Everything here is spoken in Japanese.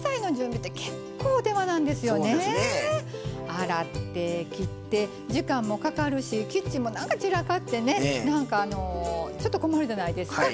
洗って切って時間もかかるしキッチンもなんか散らかってねなんかあのちょっと困るじゃないですか。